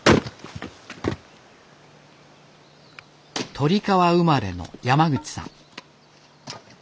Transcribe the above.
鳥川生まれの山口さん。